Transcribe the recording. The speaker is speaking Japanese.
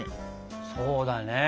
そうだね。